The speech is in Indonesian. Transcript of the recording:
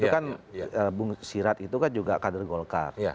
itu kan bung sirat itu kan juga kader golkar